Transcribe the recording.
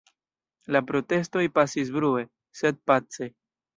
La protestoj pasis brue, sed pace.